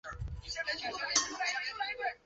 清代隶广肇罗道。